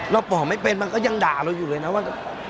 ปอกไม่เป็นมันก็ยังด่าเราอยู่เลยนะว่า